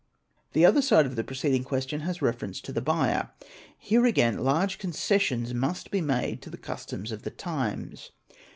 The other side of the preceding question has reference to the buyer. Here again large concessions must be made to the customs of the times.